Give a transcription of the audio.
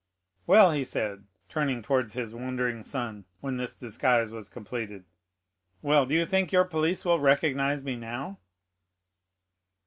"Well," he said, turning towards his wondering son, when this disguise was completed, "well, do you think your police will recognize me now."